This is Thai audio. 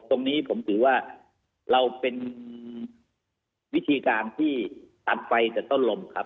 ตรงนี้ผมถือว่าเราเป็นวิธีการที่ตัดไฟจากต้นลมครับ